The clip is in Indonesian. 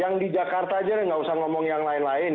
yang di jakarta aja nggak usah ngomong yang lain lain